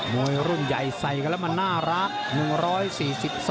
วยรุ่นใหญ่ใส่กันแล้วมันน่ารัก